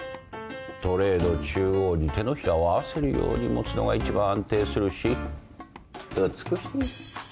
トレーの中央に手のひらを合わせるように持つのが一番安定するし美しい。